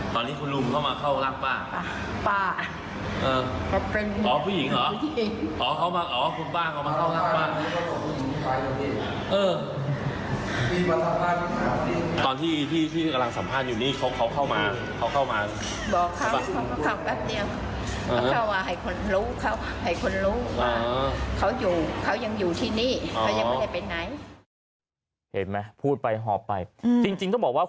ตอนที่คุณลุงเข้ามาเข้ารังบ้าง